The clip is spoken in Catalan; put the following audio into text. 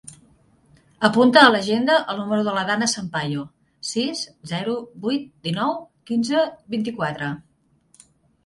Apunta a l'agenda el número de la Danna Sampayo: sis, zero, vuit, dinou, quinze, vint-i-quatre.